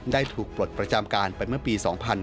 ได้ถูกปลดประจำการไปเมื่อปี๒๕๕๙